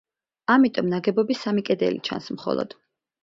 ამიტომ ნაგებობის სამი კედელი ჩანს მხოლოდ.